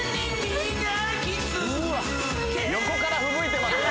横からふぶいてますよ。